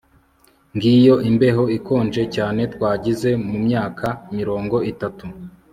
ngiyo imbeho ikonje cyane twagize mumyaka mirongo itatu